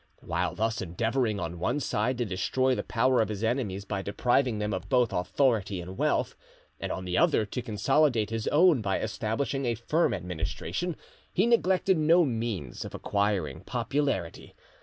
While thus endeavouring on one side to destroy the power of his enemies by depriving them of both authority and wealth, and on the other to consolidate his own by establishing a firm administration, he neglected no means of acquiring popularity.